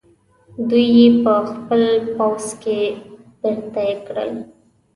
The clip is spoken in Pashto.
دوی یې په خپل پوځ کې برتۍ کړل.